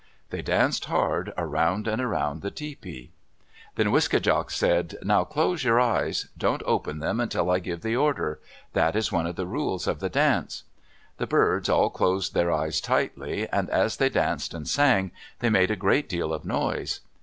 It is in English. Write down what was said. They danced hard, around and around the tepee. Then Wiske djak said, "Now close your eyes. Don't open them until I give the order. That is one of the rules of the dance." The birds all closed their eyes tightly, and as they danced and sang, they made a great deal of noise.